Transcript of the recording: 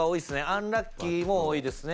「アンラッキー」も多いですね。